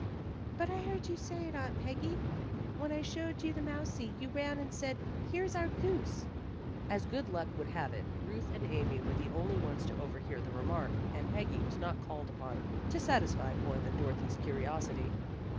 "But I heard you say it, Aunt Peggy. When I showed you the mousie, you ran and said, 'Here's our goose.'" As good luck would have it, Ruth and Amy were the only ones to overhear the remark, and Peggy was not called upon to satisfy more than Dorothy's curiosity.